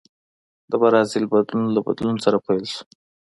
د برازیل بدلون له بدلون سره پیل شو.